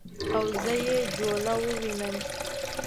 او زه یې جوله ووینم